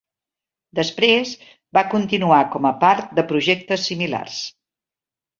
Després va continuar com a part de projectes similars.